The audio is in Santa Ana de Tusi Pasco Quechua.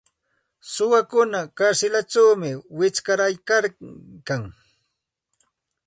Suwakuna karsilćhawmi wichqaryarkan.